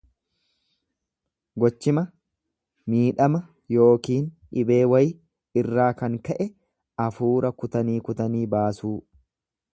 Gochima miidhaa yookiin dhibee wayi irraa kan ka'e afuura kutanii kutanii baasuu.